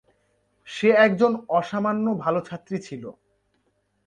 সে একজন অসামান্য ভাল ছাত্রী ছিল।